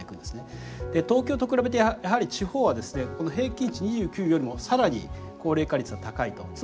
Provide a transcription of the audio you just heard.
で東京と比べてやはり地方はですね平均値２９よりも更に高齢化率が高いと。